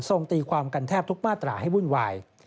ตีความกันแทบทุกมาตราให้วุ่นวาย